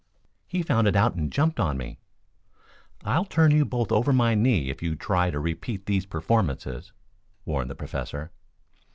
"He found it out and jumped on me." "I'll turn you both over my knee if you try to repeat these performances," warned the Professor.